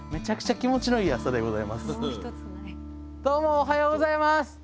どうもおはようございます！